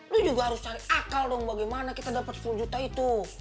lu juga harus cari akal dong bagaimana kita dapat sepuluh juta itu